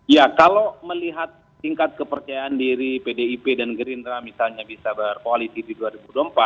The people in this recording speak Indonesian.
ya kalau melihat tingkat kepercayaan diri pdip dan gerindra misalnya bisa berkoalisi di dua ribu dua puluh empat